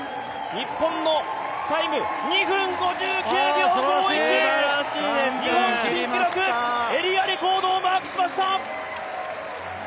日本のタイム、２分５９秒５１、日本新記録、エリアレコードをマークしました。